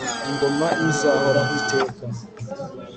ingoma y'izahorahw'iteka